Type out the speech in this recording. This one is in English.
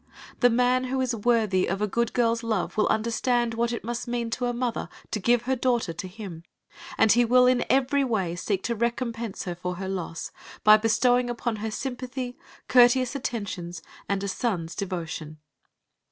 The man who is worthy of a good girl's love will understand what it must mean to a mother to give her daughter to him, and he will in every way seek to recompense her for her loss, by bestowing upon her sympathy, courteous attentions, and a son's devotion.